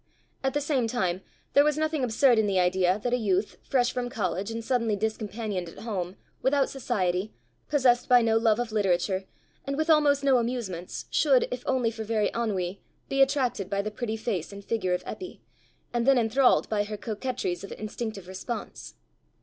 At the same time there was nothing absurd in the idea that a youth, fresh from college and suddenly discompanioned at home, without society, possessed by no love of literature, and with almost no amusements, should, if only for very ennui, be attracted by the pretty face and figure of Eppy, and then enthralled by her coquetries of instinctive response.